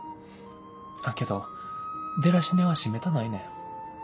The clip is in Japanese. あっけどデラシネは閉めたないねん。